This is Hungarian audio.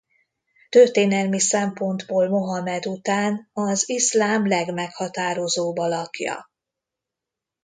Történelmi szempontból Mohamed után az iszlám legmeghatározóbb alakja.